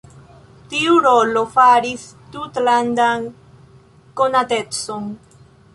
Tiu rolo faris tutlandan konatecon.